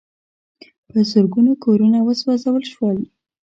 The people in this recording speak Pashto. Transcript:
په زرګونو کورونه وسوځول شول.